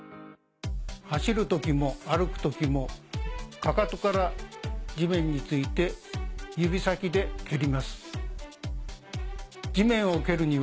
走るときも歩くときもかかとから地面について指先で蹴ります。